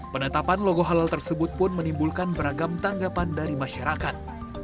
penetapan logo halal tersebut pun menimbulkan beragam tanggapan dari masyarakat